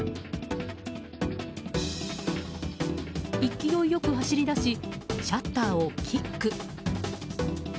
勢いよく走り出しシャッターをキック。